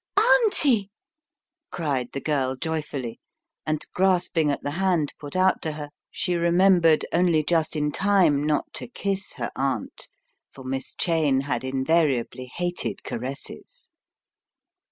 "Auntie," cried the girl joyfully, and grasping at the hand put out to her, she remembered only just 62 The Cry in the Night 63 in time not to kiss her aunt, for Miss Cheyne had invariably hated caresses.